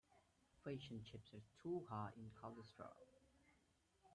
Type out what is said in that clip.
Fish and chips are too high in cholesterol.